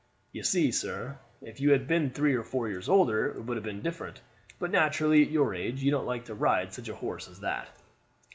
You see, sir, if you had been three or four years older it would have been different; but naturally at your age you don't like to ride such a horse as that."